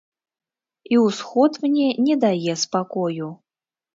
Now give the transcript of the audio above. І ўсход мне не дае спакою.